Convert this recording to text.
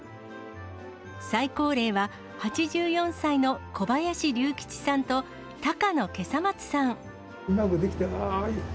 最高齢は８４歳の小林隆吉さんと、高野袈裟松さん。